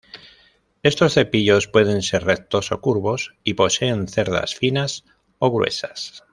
Estos cepillos pueden ser rectos o curvos y poseen cerdas finas o gruesas.